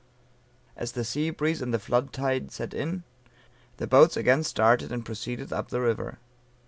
As the sea breeze and the flood tide set in, the boats again started and proceeded up the river.